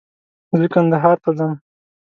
زه کندهار ته ځم